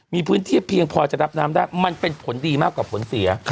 มีพื้นที่เพียงพอจะรับน้ำได้มันเป็นผลดีมากกว่าผลเสีย